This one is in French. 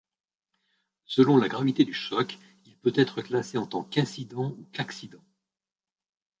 Selon la gravité du choc, il peut être classé en tant qu'incident ou qu'accident.